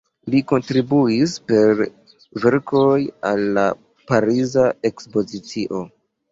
Li kontribuis per verkoj al la Pariza Ekspozicio.